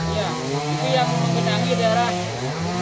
itu yang menghentangi daerah